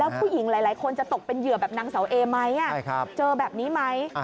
ผู้หญิงหลายคนจะตกเป็นเหยื่อแบบนางเสาเอไหมเจอแบบนี้ไหม